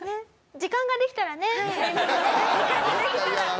時間ができたら。